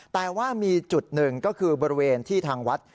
แต่ว่ามีจุดหนึ่งก็คือบริเวณที่ทางวัด